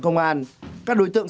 có cầu át có cung